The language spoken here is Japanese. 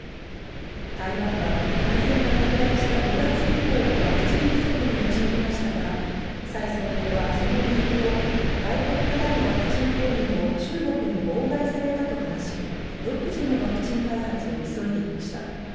台湾は、感染が拡大した５月以降、ワクチン不足に陥りましたが、蔡総統はその理由を、外国からのワクチン購入を中国に妨害されたと話し、独自のワクチン開発を急いでいました。